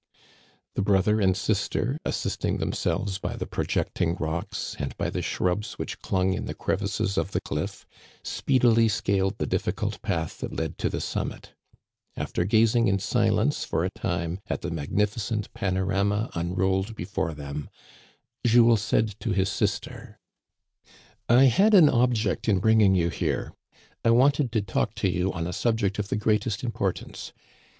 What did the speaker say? The brother and sister, assisting themselves by the projecting rocks, and by the shrubs which clung in the crevices of the cliff, speedily scaled the diflficult path that led to the summit. After gazing in silence for a time at the magnificent panorama unrolled before them, Jules said to his sister :" I had an object in bringing you here. I wanted to talk to you on a subject of the greatest importance.